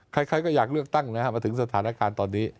ใครก็อยากเลือกตั้งนะฮะมาถึงสถานการณ์ตอนนี้